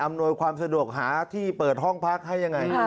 หน่วยความสะดวกหาที่เปิดห้องพักให้ยังไง